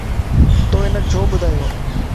تو ھنک ڇو ٻڌايووَ؟